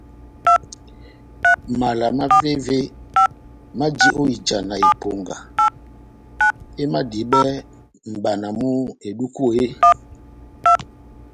Mala mavéve maji ó ijana eponga emadibɛ mʼbana mú eduku eeeh ?